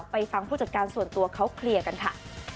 ฟังผู้จัดการส่วนตัวเขาเคลียร์กันค่ะ